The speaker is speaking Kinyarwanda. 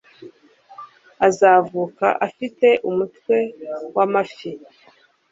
azavuka afite umutwe wamafi